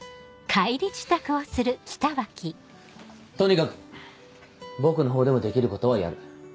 とにかく僕の方でもできることはやる。